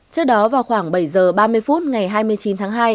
trước đó vào khoảng bảy giờ ba mươi phút ngày hai mươi chín tháng